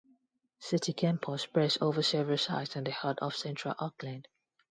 City Campus spreads over several sites in the heart of central Auckland.